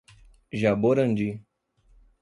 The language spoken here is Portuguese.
Jaborandi